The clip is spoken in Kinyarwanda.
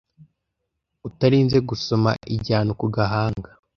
utarinze gusoma igihano ku gahanga